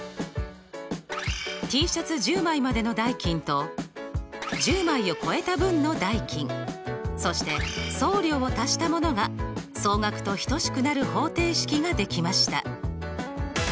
Ｔシャツ１０枚までの代金と１０枚を超えた分の代金そして送料を足したものが総額と等しくなる方程式ができました。